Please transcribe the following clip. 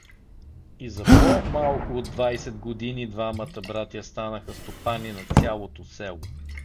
И за по-малко от двайсет години двамата братя станаха стопани на цялото село.